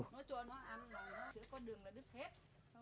nó cho nó ăn rồi